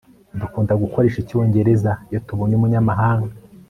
Dukunda gukoresha icyongereza iyo tubonye umunyamahanga